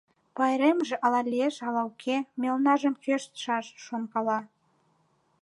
Пайремже ала лиеш, ала уке, мелнажым кӱэштшаш», — шонкала.